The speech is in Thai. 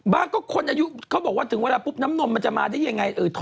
ก็คนอายุเขาบอกว่าถึงเวลาปุ๊บน้ำนมมันจะมาได้ยังไง